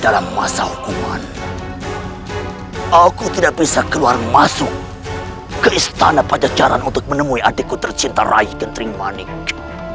dalam masa hukuman aku tidak bisa keluar masuk ke istana pajajaran untuk menemui adikku tercinta raih gentring maniku